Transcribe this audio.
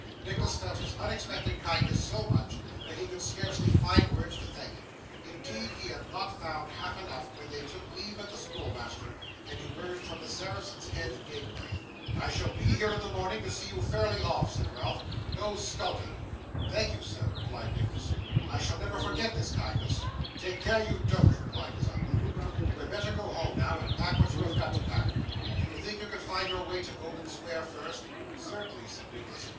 Nicholas felt his unexpected kindness so much, that he could scarcely find words to thank him; indeed, he had not found half enough, when they took leave of the schoolmaster, and emerged from the Saracen's Head gateway. 'I shall be here in the morning to see you fairly off,' said Ralph. 'No skulking!' 'Thank you, sir,' replied Nicholas; 'I never shall forget this kindness.' 'Take care you don't,' replied his uncle. 'You had better go home now, and pack up what you have got to pack. Do you think you could find your way to Golden Square first?' 'Certainly,' said Nicholas.